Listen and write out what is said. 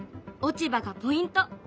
落ち葉がポイント！